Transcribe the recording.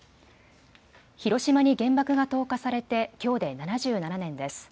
広島に原爆が投下されてきょうで７７年です。